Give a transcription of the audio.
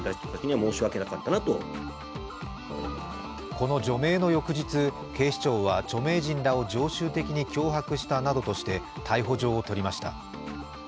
この除名の翌日、警視庁は著名人らを常習的に脅迫したなどとして逮捕状を取りました。